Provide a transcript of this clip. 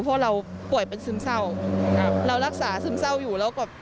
เพราะเราป่วยเป็นซึมเศร้าครับเรารักษาซึมเศร้าอยู่แล้วก็